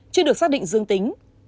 chưa được xác định dương tính